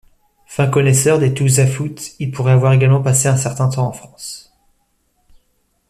Fin connaisseur des toosafot, il pourrait avoir également passé un certain temps en France.